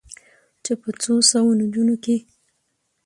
چې په څو سوو نجونو کې